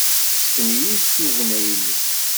Ssken-iyi-d tugna-nnes.